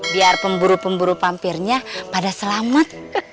biar pemburu pemburu pampirnya pada selamat